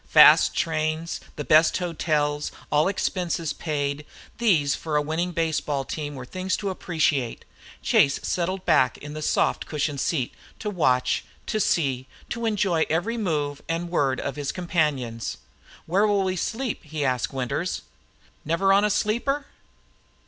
Fast trains, the best hotels, all expenses paid, these for a winning baseball team were things to appreciate. Chase settled back in the soft cushioned seat to watch, to see, to enjoy every move and word of his companions. "Where will we sleep?" he asked Winters. "Never on a sleeper?"